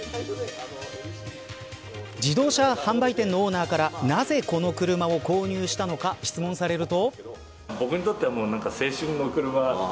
自動車販売店のオーナーからなぜ、この車を購入したのか質問されると。